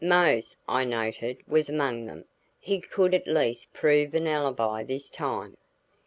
Mose, I noted, was among them; he could at least prove an alibi this time.